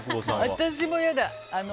私も、嫌だ。